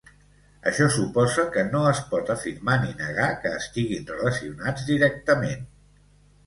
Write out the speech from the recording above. Això suposa que no es pot afirmar ni negar que estiguin relacionats directament.